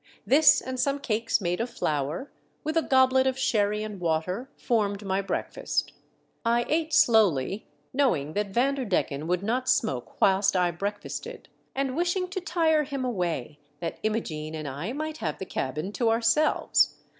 This and some cakes made of Hour, with a goblet of sherry and water, formed my breakfast. I ate slowly, knowing that Vanderdecken would not smoke v»^hilst I breakfasted, and wishincv MY SWEETHEARTS JOY. 329 to tire him away that Imogene and I might have the cabin to ourselves.